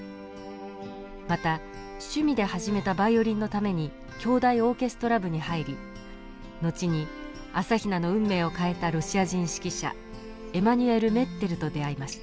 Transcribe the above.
また趣味で始めたバイオリンのために京大オーケストラ部に入り後に朝比奈の運命を変えたロシア人指揮者エマヌエル・メッテルと出会いました。